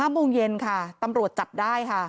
โมงเย็นค่ะตำรวจจับได้ค่ะ